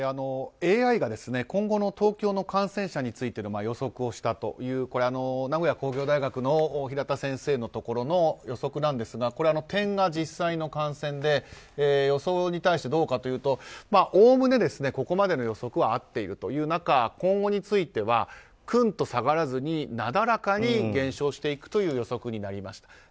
ＡＩが今後の東京の感染者数について予測をしたという名古屋工業大学の平田先生のところの予測なんですが点が実際の感染で予想に対してどうかというとおおむねここまでの予測は合っているという中今後についてはぐっと下がらずになだらかに減少していくという予測になりました。